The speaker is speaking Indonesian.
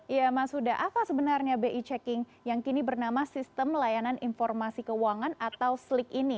iya mas huda apa sebenarnya bi checking yang kini bernama sistem layanan informasi keuangan atau slik ini